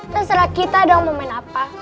terserah kita dong mau main apa